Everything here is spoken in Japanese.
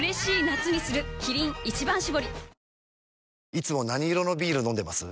いつも何色のビール飲んでます？